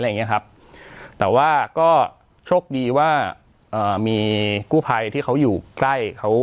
อย่างเงี้ยครับแต่ว่าก็โชคดีว่าอ่ามีกู้ไพที่เขาอยู่ใกล้เขา